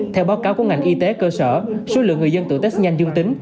theo báo cáo của ngành y tế cơ sở số lượng người dân tự test nhanh dương tính